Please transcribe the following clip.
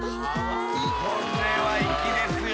これは粋ですよ。